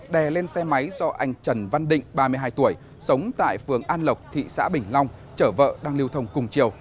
đè lên xe máy do anh trần văn định ba mươi hai tuổi sống tại phường an lộc thị xã bình long chở vợ đang lưu thông cùng chiều